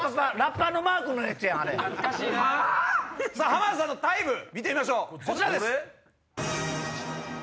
浜田さんのタイム見てみましょうこちらです。